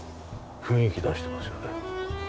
雰囲気出してますよね。